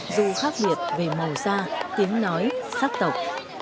dù khác biệt về màu da tiếng nói sắc tộc